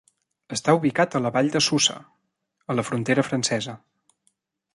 Està ubicat a la Vall de Susa, a la frontera francesa.